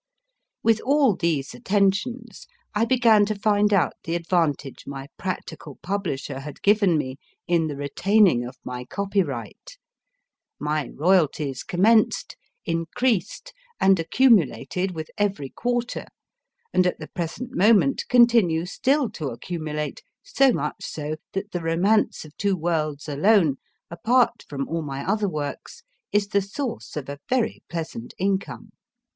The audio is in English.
With all these attentions, I began to find out the advantage my practical publisher had given me in the retaining of my copyright ; my * royalties commenced, increased, and accumulated with every quarter, and at the present moment continue still to accumulate, so much so, that the Romance of Two Worlds alone, apart from all my other works, is the source of a very pleasant income.